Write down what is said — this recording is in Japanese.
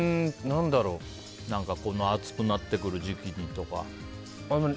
この暑くなってくる時期にとか。